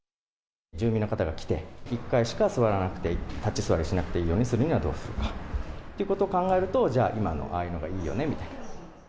住民の方が来て、１回しか座らなくていい、立ち座りしなくていいようにするにはどうしたらいいかということを考えると、じゃあ、今のああいうのがいいよねみたいな。